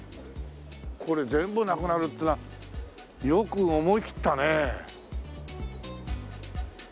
これ全部なくなるっていうのはよく思い切ったね。